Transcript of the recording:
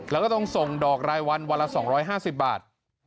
แล้วก็ต้องส่งดอกรายวันวันละ๒๕๐บาท